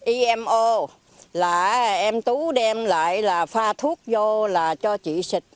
imo là em tú đem lại là pha thuốc vô là cho chị xịt